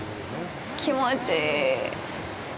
気持ちいい